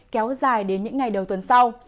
kéo dài đến những ngày đầu tuần sau